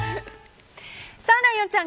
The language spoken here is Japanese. ライオンちゃん